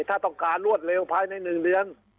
ถ้าต้องการรวดเร็วภายใน๑เดือน